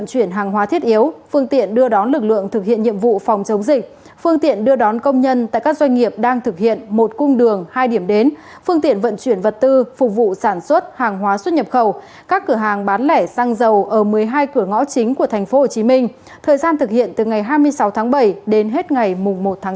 chuyển hàng hóa thiết yếu phương tiện đưa đón lực lượng thực hiện nhiệm vụ phòng chống dịch phương tiện đưa đón công nhân tại các doanh nghiệp đang thực hiện một cung đường hai điểm đến phương tiện vận chuyển vật tư phục vụ sản xuất hàng hóa xuất nhập khẩu các cửa hàng bán lẻ xăng dầu ở một mươi hai cửa ngõ chính của tp hcm thời gian thực hiện từ ngày hai mươi sáu tháng bảy đến hết ngày một tháng bốn